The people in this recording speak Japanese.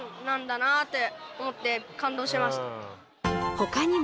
ほかにも。